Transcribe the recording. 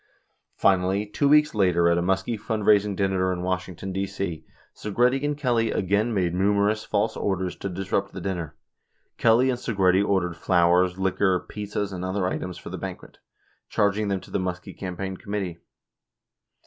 25 Finallv, two weeks later at a Muskie fundraising dinner in Wash ington, D.C.. Segretti and Kelly again made numerous false orders to disrupt the dinner. Kelly and Segretti ordered flowers, liquor, pizzas and other items for the banquet, charging them to the Muskie campaign committee.